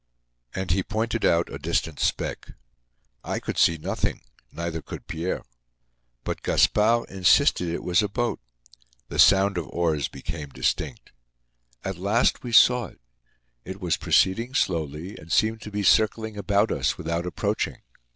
And he pointed out a distant speck. I could see nothing, neither could Pierre. But Gaspard insisted it was a boat. The sound of oars became distinct. At last, we saw it. It was proceeding slowly and seemed to be circling about us without approaching.